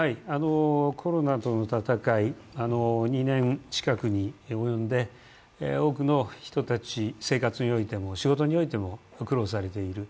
コロナとの戦い、２年近くに及んで多くの人たち、生活においても仕事においても苦労されている。